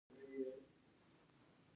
افغانستان کې غوښې د چاپېریال د تغیر نښه ده.